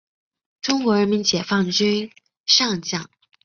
中国人民解放军上将。